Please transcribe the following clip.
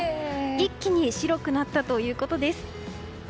一気に白くなったということです。